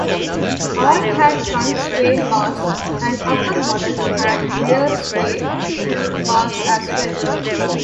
All had front sway bars and upper models had rear sway bars as well.